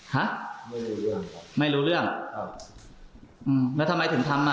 ฮะไม่รู้เรื่องไม่รู้เรื่องครับอืมแล้วทำไมถึงทำอ่ะ